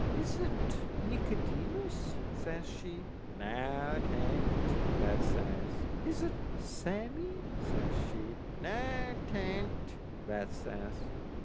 "Is that Nicodemus?" says she. "Noo, 'tain't," that says. "Is that Sammee?" says she. "Noo, 'tain't," that says.